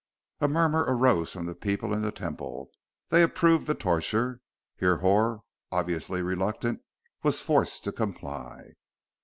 A murmur arose from the people in the Temple: they approved the torture. Hrihor, obviously reluctant, was forced to comply.